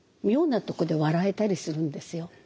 妙なとこで笑えたりするんですよ。